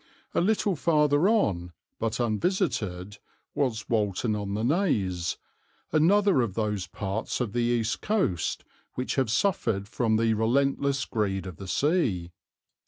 A little farther on, but unvisited, was Walton on the Naze, another of those parts of the east coast which have suffered from the relentless greed of the sea.